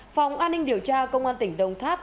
phòng an ninh điều tra công an tỉnh đồng tháp